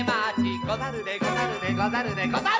「ござるでござるでござるでござる」